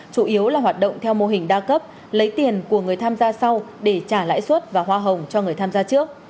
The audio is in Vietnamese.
chủ yếu là hoạt động theo mô hình đa cấp lấy tiền của người tham gia sau để trả lãi suất và hoa hồng cho người tham gia trước